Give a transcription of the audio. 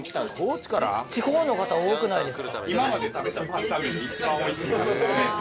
地方の方多くないですか？